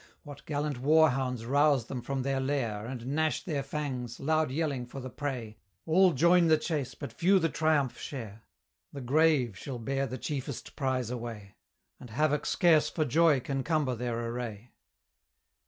What gallant war hounds rouse them from their lair, And gnash their fangs, loud yelling for the prey! All join the chase, but few the triumph share: The Grave shall bear the chiefest prize away, And Havoc scarce for joy can cumber their array.